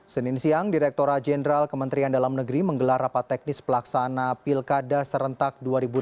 senin siang direkturat jenderal kementerian dalam negeri menggelar rapat teknis pelaksana pilkada serentak dua ribu delapan belas